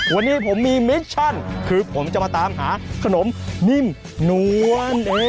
วันนี้ผมมีเมคชั่นคือผมจะมาตามหาขนมนิ่มนวล